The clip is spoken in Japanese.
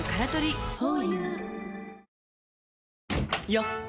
よっ！